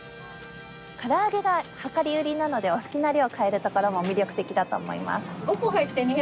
から揚げが量り売りなのでお好きな量買えるところも魅力的だと思います。